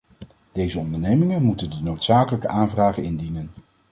Deze ondernemingen moeten de noodzakelijke aanvragen indienen.